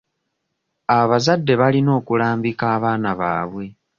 Abazadde balina okulambika abaana baabwe.